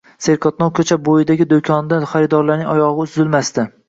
Serqatnov ko`cha bo`yidagi do`konidan xaridorlarning oyog`i uzilmasdi